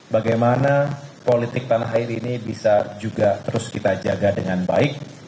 bagaimana politik tanah air ini bisa juga terus kita jaga dengan baik